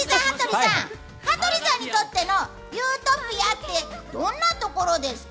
羽鳥さんにとってのユートピアってどんなところですか？